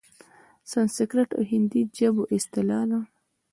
سنسکریت او هندي ژبو اصطلاح ده؛